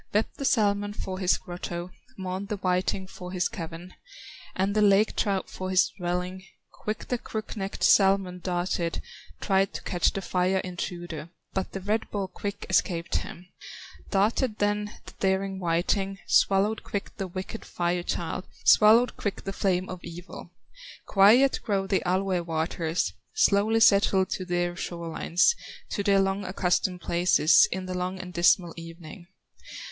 Wept the salmon for his grotto, Mourned the whiting for his cavern, And the lake trout for his dwelling. Quick the crook necked salmon darted, Tried to catch the fire intruder, But the red ball quick escaped him; Darted then the daring whiting, Swallowed quick the wicked Fire child, Swallowed quick the flame of evil. Quiet grow the Alue waters, Slowly settle to their shore lines, To their long accustomed places, In the long and dismal evening.